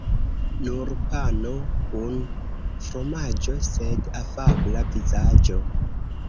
Nur pano kun fromaĝo, sed afabla vizaĝo.